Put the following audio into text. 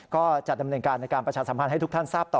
ก็จะดำเนินการในการประชาสัมพันธ์ให้ทุกท่านทราบต่อ